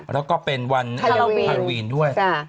แล้วก็เป็นวันฮาราวีนด้วย